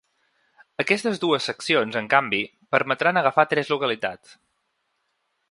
Aquestes dues seccions, en canvi, permetran agafar tres localitats.